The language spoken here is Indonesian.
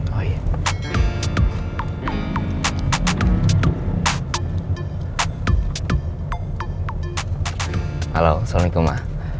halo assalamualaikum ma